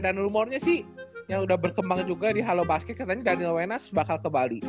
dan rumornya sih yang udah berkembang juga di halo basket katanya daniel wenas bakal ke bali